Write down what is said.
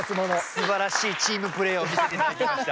すばらしいチームプレイを見せて頂きました。